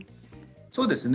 そうですね。